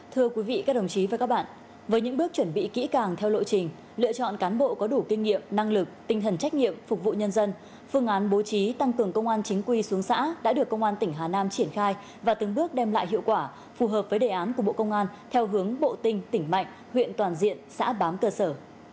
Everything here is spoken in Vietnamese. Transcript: thưa quý vị các đồng chí và các bạn với những bước chuẩn bị kỹ càng theo lộ trình lựa chọn cán bộ có đủ kinh nghiệm năng lực tinh thần trách nhiệm phục vụ nhân dân phương án bố trí tăng cường công an chính quy xuống xã đã được công an tỉnh hà nam triển khai và từng bước đem lại hiệu quả phù hợp với đề án của bộ công an theo hướng bộ tinh tỉnh mạnh huyện toàn diện xã bám cơ sở